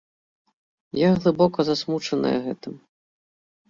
Я глыбока засмучаная гэтым.